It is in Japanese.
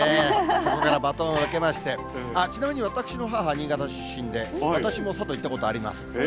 そこからバトンを受けまして、ちなみに私の母、新潟の出身で、私も佐渡行ったことあります。